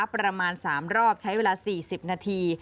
ประมาณ๓รอบใช้เวลา๔๐นาที